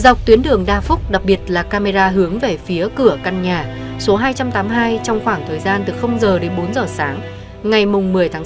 dọc tuyến đường đa phúc đặc biệt là camera hướng về phía cửa căn nhà số hai trăm tám mươi hai trong khoảng thời gian từ giờ đến bốn giờ sáng ngày một mươi tháng bốn